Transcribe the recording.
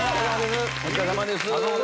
お疲れさまです。